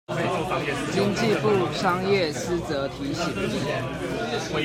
經濟部商業司則提醒